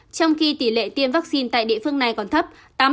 trong khi tỷ lệ tiêm vaccine tại địa phương này còn thấp